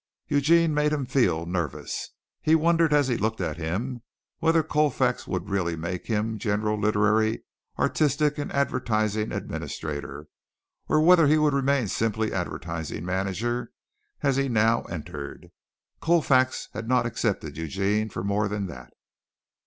Eugene made him feel nervous. He wondered as he looked at him whether Colfax would really make him general literary, artistic and advertising administrator, or whether he would remain simply advertising manager as he now entered. Colfax had not accepted Eugene for more than that.